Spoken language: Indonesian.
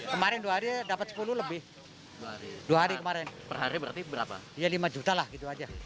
kemarin dua hari dapat sepuluh lebih dua hari kemarin per hari berarti berapa ya lima juta lah gitu aja